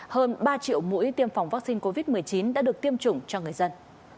hơn ba triệu mũi tiêm phòng vaccine covid một mươi chín đã được tiêm chủng cho người dân